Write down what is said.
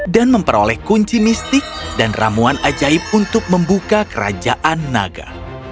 dan memperoleh kunci mistik dan ramuan ajaib untuk membuka kerajaan naga